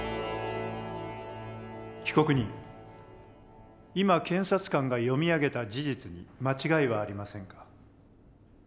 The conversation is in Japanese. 被告人今検察官が読み上げた事実に間違いはありませんか？